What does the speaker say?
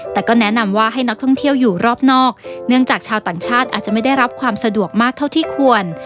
แต่ก็แนะนำว่าให้นักท่องเที่ยวอยู่รอบนอกเนื่องจากชาวต่างชาติอาจจะไม่ได้รับความสะดวกมากเท่าที่ควร